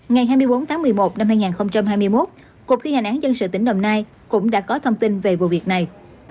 ngày hai mươi bốn tháng một mươi một năm hai nghìn hai mươi một cục thi hành án dân sự tỉnh đồng nai cũng đã có thông tin về vụ việc này